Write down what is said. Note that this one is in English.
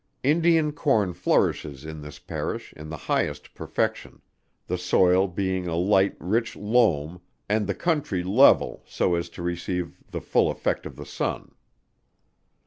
Indian corn flourishes in this Parish in the highest perfection: the soil being a light rich loam and the country level so as to receive the full effect of the sun.